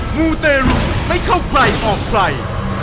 หมู่เตรุไม่เข้าใกล้ออกใส่